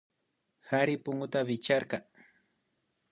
Kari punguta wichkarka